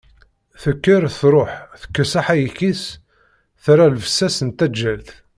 Tekker, tṛuḥ, tekkes aḥayek-is, terra llebsa-s n taǧǧalt.